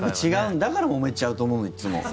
だから、もめちゃうと思うのいつも。